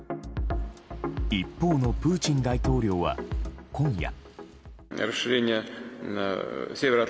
一方のプーチン大統領は今夜。